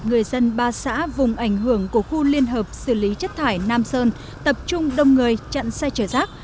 người dân ba xã vùng ảnh hưởng của khu liên hợp xử lý chất thải nam sơn tập trung đông người chặn xe chở rác